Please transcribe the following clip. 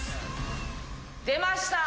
出ました！